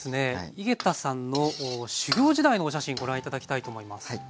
井桁さんの修業時代のお写真ご覧頂きたいと思います。